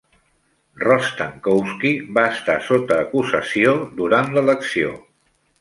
Rostenkowski va estar sota acusació durant l'elecció.